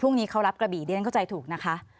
พรุ่งนี้เขารับกระบี่เดี๋ยวฉันเข้าใจถูกนะคะ